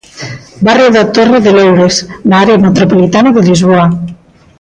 Barrio da Torre de Loures, na área metropolitana de Lisboa.